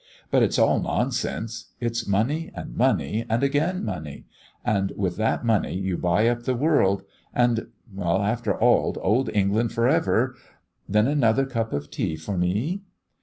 But it's all nonsense. It's money and money, and again money; and with that money you buy up the world, and After all, old England for ever! Then another cup of tea for me?"